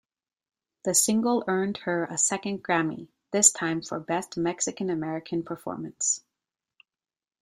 The single earned her a second Grammy, this time for Best Mexican-American Performance.